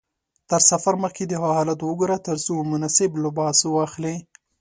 تر سفر مخکې د هوا حالت وګوره ترڅو مناسب لباس واخلې.